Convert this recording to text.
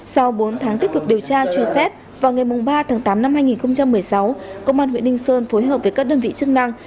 sau bốn tháng tích cực điều tra truy xét vào ngày ba tháng tám năm hai nghìn một mươi sáu công an huyện ninh sơn phối hợp với các đơn vị chức năng